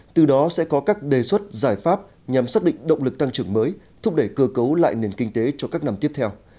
từ đó sẽ có các đề xuất giải pháp nhằm xác định động lực tăng trưởng mới thúc đẩy cơ cấu lại nền kinh tế cho các năm tiếp theo